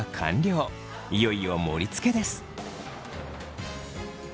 いよいよ盛りつけです。